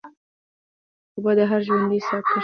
اوبه د هر ژوندي ساه کښ لپاره حیاتي دي.